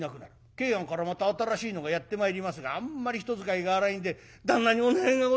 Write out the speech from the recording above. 桂庵からまた新しいのがやって参りますがあんまり人使いが荒いんで「旦那にお願いがございます」。